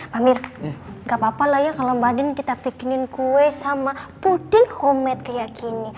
pamit gak apa apa lah ya kalau mbak din kita bikinin kue sama puding homemade kayak gini